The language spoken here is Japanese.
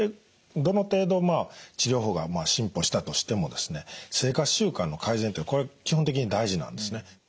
どの程度治療法が進歩したとしてもですね生活習慣の改善ってこれ基本的に大事なんですね。